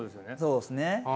そうですね。